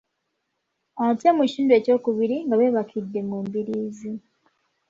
Ate mu kitundu ekyokubiri nga beebakidde mu mbiriizi.